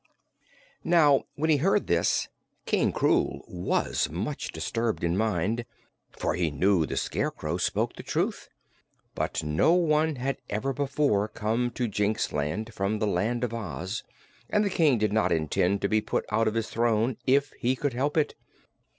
Now, when he heard this, King Krewl was much disturbed in mind, for he knew the Scarecrow spoke the truth. But no one had ever before come to Jinxland from the Land of Oz and the King did not intend to be put out of his throne if he could help it.